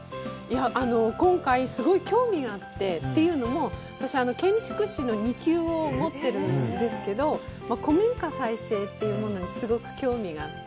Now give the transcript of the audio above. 今回、すごい興味があって、というのも、私、建築士の２級を持ってるんですけど、古民家再生というのにすごく興味があって。